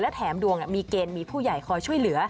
แถมดวงมีเกณฑ์มีผู้ใหญ่คอยช่วยเหลือ